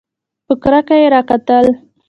په کرکه یې راکتل !